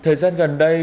thời gian gần đây